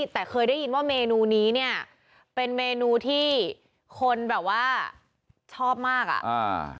แต่เคยได้ยินว่าเมนูนี้เนี่ยเป็นเมนูที่คนแบบว่าชอบมากอ่ะอ่า